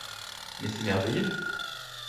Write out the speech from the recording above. Mais c’est merveilleux !